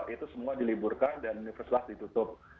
itu semua diliburkan dan universitas ditutup